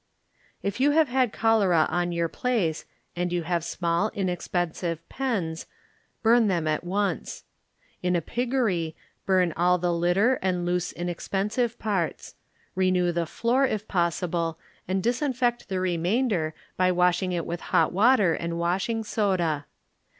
If you have had cholera on your place, and you have small, inexpensive pens, burn them at once. In a piggery, burn all the litter and loose inexpensive parts ; renew the floor, if possible, and disinfect the remainder l^ washing it with hot water and washing soda.